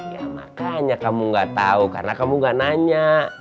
ya makanya kamu nggak tahu karena kamu nggak nanya